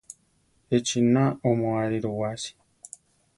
Echina oʼmoáriru wáasi.